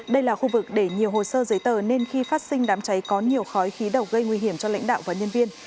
đây là khu vực để nhiều hồ sơ giấy tờ nên khi phát sinh đám cháy có nhiều khói khí độc gây nguy hiểm cho lãnh đạo và nhân viên